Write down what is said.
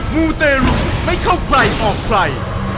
มูเตรุไม่เข้าใครออกใคร